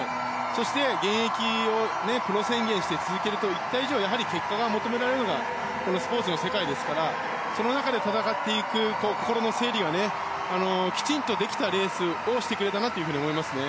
そして現役をプロ宣言して続けると言った以上やはり結果が求められるのがスポーツの世界ですからその中で戦っていく心の整理がきちんとできたレースをしてくれたなと思いますね。